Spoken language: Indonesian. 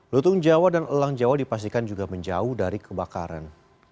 lutung jawa dan elang jawa dipastikan juga menjauh dari kebakaran